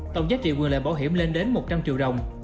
tổng giá trị quyền lợi bảo hiểm lên đến một trăm linh triệu đồng